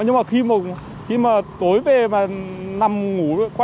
nhưng mà khi mà tối về mà nằm ngủ